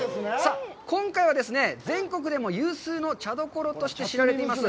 今回はですね、全国でも有数の茶処として知られています